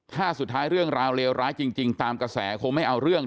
ถ้าสุดท้ายเรื่องราวเลวร้ายจริงตามกระแสคงไม่เอาเรื่อง